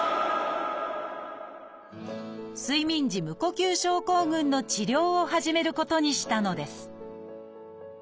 睡眠時無呼吸症候群の治療を始めることにしたのです